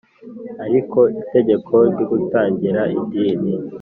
ariko itegeko ryo kutagira idini